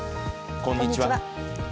こんにちは。